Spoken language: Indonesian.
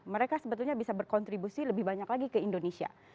mereka sebetulnya bisa berkontribusi lebih banyak lagi ke indonesia